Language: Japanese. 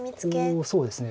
おおそうですね。